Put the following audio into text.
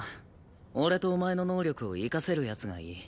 俺とお前の能力を生かせる奴がいい。